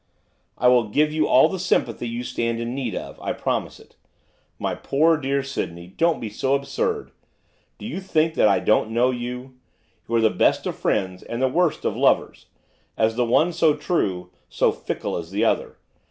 'I will give you all the sympathy you stand in need of, I promise it! My poor, dear Sydney! don't be so absurd! Do you think that I don't know you? You're the best of friends, and the worst of lovers, as the one, so true; so fickle as the other.